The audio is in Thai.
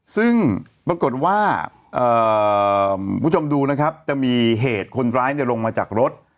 ซึ่งปรากฏว่าคุณผู้ชมดูนะครับจะมีเหตุคนร้ายลงมาจากรถ